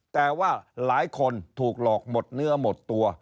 แต่ว่าหลายคนถูกหลอกหมดเนื้อหมดตัว